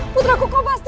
ibu ndaku kau pasti